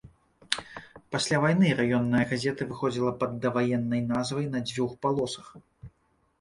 Пасля вайны раённая газета выходзіла пад даваеннай назвай на дзвюх палосах.